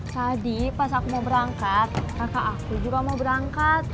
tadi pas aku mau berangkat kakak aku juga mau berangkat